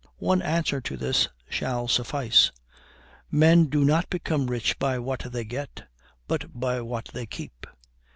One answer to this shall suffice. Men do not become rich by what they get, but by what they keep.